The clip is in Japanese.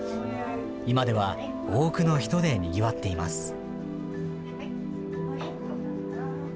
今では、多くの人でにぎわっています。